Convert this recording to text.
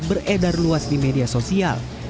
beredar luas di media sosial